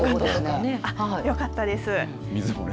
よかったです。